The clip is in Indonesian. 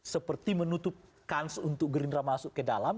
seperti menutup kans untuk gerindra masuk ke dalam